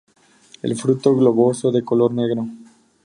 El fruto globoso, de color negro.